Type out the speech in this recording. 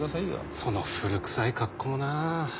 その古くさい格好もなあ。